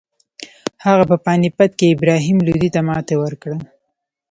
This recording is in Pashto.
هغه په پاني پت کې ابراهیم لودي ته ماتې ورکړه.